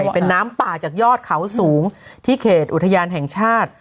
เป็นน้ำป่าจากยอดเขาสูงที่เขตอุทยานแห่งชาติ